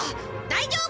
大丈夫！